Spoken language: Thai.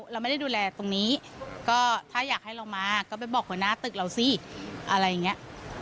ไปดูเคสประเมินเคสให้หน่อย